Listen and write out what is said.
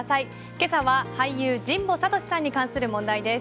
今朝は俳優・神保悟志さんに関する問題です。